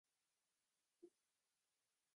给我一对翅膀